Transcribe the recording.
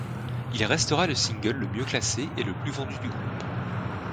Il restera le single le mieux classé et le plus vendu du groupe.